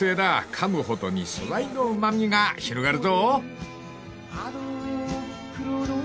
［かむほどに素材のうま味が広がるぞ］